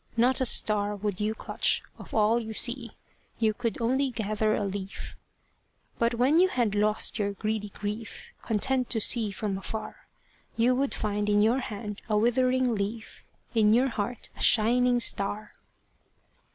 Not a star would you clutch of all you see You could only gather a leaf. But when you had lost your greedy grief, Content to see from afar, You would find in your hand a withering leaf, In your heart a shining star.